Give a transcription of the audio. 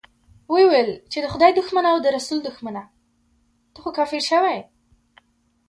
ويې ويل چې خدای دښمنه او رسول دښمنه، ته خو کافر شوې.